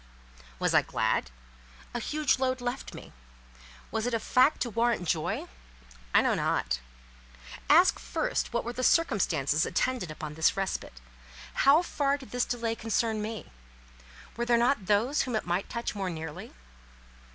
Was I glad? A huge load left me. Was it a fact to warrant joy? I know not. Ask first what were the circumstances attendant on this respite? How far did this delay concern me? Were there not those whom it might touch more nearly?